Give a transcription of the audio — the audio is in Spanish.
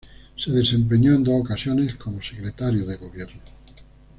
Se desempeñó en dos ocasiones como Secretario de Gobierno.